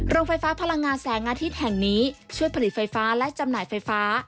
โรงไฟฟ้าพลังงานแสงอาทิตย์แห่งนี้ช่วยผลิตไฟฟ้าและจำหน่ายไฟฟ้า